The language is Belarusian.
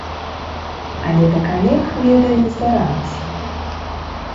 Але да калег, ведаю, здаралася.